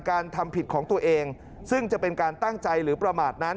การทำผิดของตัวเองซึ่งจะเป็นการตั้งใจหรือประมาทนั้น